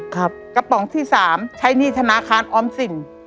กระป๋องที่สามใช้หนี้ธนาคารออมสิน